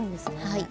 はい。